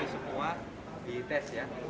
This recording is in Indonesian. semua di tes ya